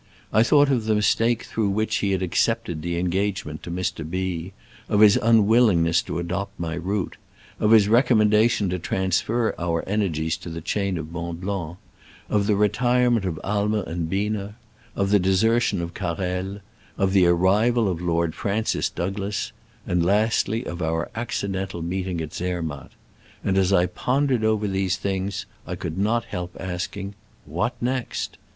I thought of the mis take through which he had accepted the engagement to Mr. B ; of his unwillingness to adopt my route ; of his recommendation to transfer our energies to the chain of Mont Blanc ; of the re tirement of Aimer and Biener; of the desertion of Carrel ; of the arrival of Lord Francis Douglas ; and lastly of our accidental meeting at Zermatt ; and as I pondered over these things I could not help asking, "What next